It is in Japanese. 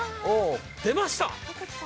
出ました。